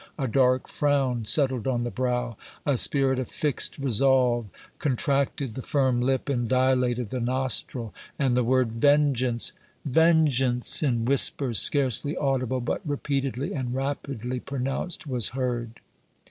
A dark frown settled on the brow, a spirit of fixed resolve contracted the firm lip and dilated the nostril, and the word, "Vengeance vengeance!" in whispers scarcely audible, but repeatedly and rapidly pronounced, was heard.